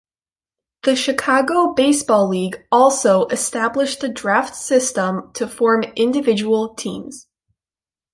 The Chicago Baseball League also established the draft system to form individual teams.